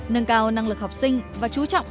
nâng cao năng lực học sinh và chú trọng